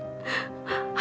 amba akan lebih baik